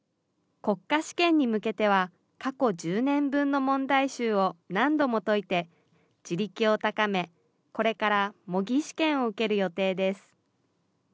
国家試験に向けては、過去１０年分の問題集を何度も解いて、地力を高め、これから模擬試験を受ける予定です。